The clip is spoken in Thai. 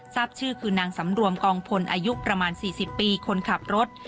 ทราบชื่อคือนางสำรวมกองพลอายุประมาณ๔๐ปีคนขับรถ